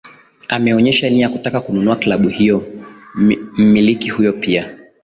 ameonyesha nia ya kutaka kununua klabu hiyo mmiliki huyo pia